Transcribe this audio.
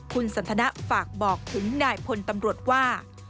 คุณสันทนะฝากบอกถึงนายพลตำรวจว่า